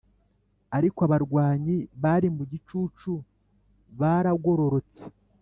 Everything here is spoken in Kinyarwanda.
ariko abarwanyi bari mu gicucu baragororotse